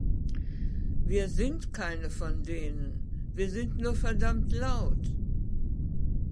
Wir sind keine von denen, wir sind nur verdammt laut.